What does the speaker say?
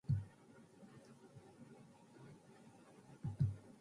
『孟子』「万章・下」より。官職に就かない民間人。在野の人。「草莽」は草むら・田舎。転じて在野・民間をいう。